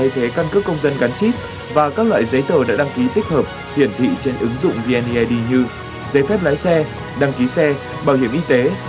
vnaid như giấy phép lái xe đăng ký xe bảo hiểm y tế